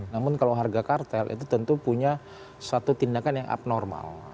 namun kalau harga kartel itu tentu punya satu tindakan yang abnormal